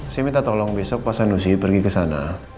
saya minta tolong besok pak sanusi pergi kesana